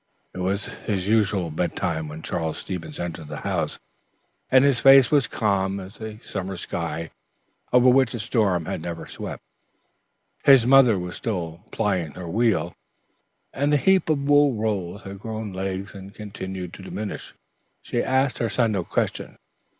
It was his usual bedtime when Charles Stevens entered the house, and his face was calm as a summer sky over which a storm had never swept. His mother was still plying her wheel, and the heap of wool rolls had grown less and continued to diminish. She asked her son no questions.